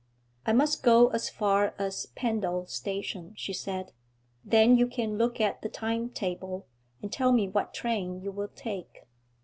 'I must go as far as Pendal station,' she said. 'Then you can look at the time table, and tell me what train you will take.'